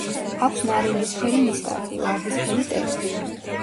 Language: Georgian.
აქვს ნარინჯისფერი ნისკარტი, ვარდისფერი ტერფი.